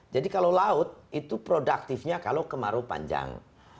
jadi kalau laut itu produktifnya kalau kemarau panjang